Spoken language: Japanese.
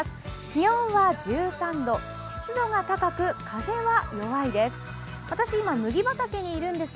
気温は１３度、湿度が高く風は弱いです。